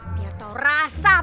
biar tau rasa